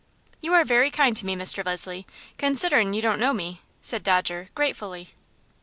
"You are very kind to me, Mr. Leslie, considerin' you don't know me," said Dodger, gratefully.